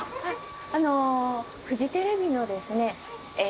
フジテレビのですね